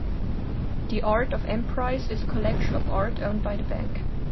The Art of Emprise is a collection of art owned by the bank.